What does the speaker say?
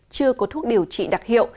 chưa có thuốc điều trị đặc hiệu